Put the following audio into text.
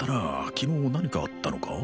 昨日何かあったのか？